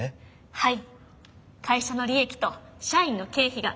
はい。